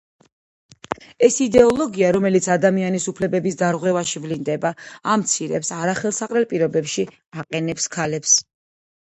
ეს იდეოლოგია, რომელიც ადამიანის უფლებების დარღვევაში ვლინდება, ამცირებს, არახელსაყრელ პირობებში აყენებს ქალებს.